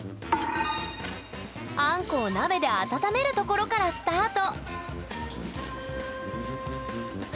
あんこを鍋で温めるところからスタート！